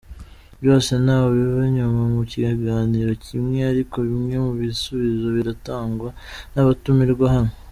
Byose ntawabiva inyuma mu kiganiro kimwe, ariko bimwe mu bisubizo biratangwa n’abatumirwa hano.